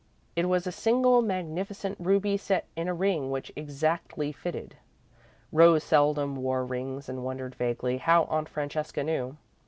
It was a single magnificent ruby set in a ring which exactly fitted. Rose seldom wore rings and wondered, vaguely, how Aunt Francesca knew.